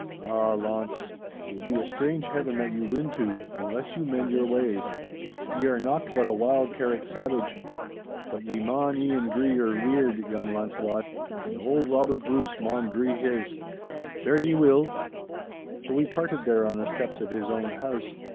'Ah, Launce, it will be a strange Heaven that you win to, unless you mend your ways. Ye are nocht but a wild Carrick savage. But ye maun e'en dree your weird, young Launcelot, and auld Robert Bruce maun dree his. Fare ye weel.' So we parted there on the steps of his own house.